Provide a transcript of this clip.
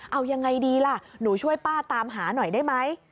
เอายังไงดีล่ะหนูช่วยป้าตามหาหน่อยได้ไหม